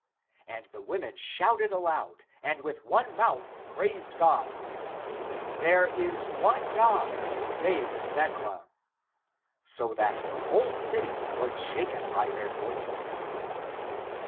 And the women shouted aloud, and with one mouth praised God: " (There is) one God; who saved Thecla" — so that the whole city was shaken by their voices.